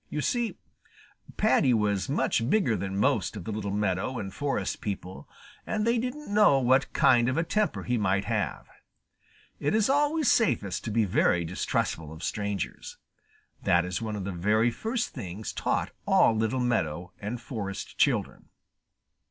You see, Paddy was much bigger than most of the little meadow and forest people, and they didn't know what kind of a temper he might have. It is always safest to be very distrustful of strangers. That is one of the very first things taught all little meadow and forest children.